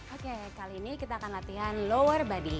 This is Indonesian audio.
oke kali ini kita akan latihan lower body